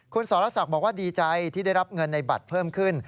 คุณสรศักดิ์บอกว่าดีใจที่ได้รับเงินในบัตรเพิ่มขึ้น